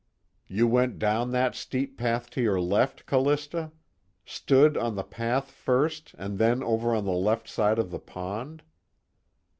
"You went down that steep path to your left, Callista? Stood on the path first and then over on the left side of the pond?"